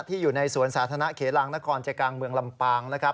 อยู่ในสวนสาธารณะเขลางนครใจกลางเมืองลำปางนะครับ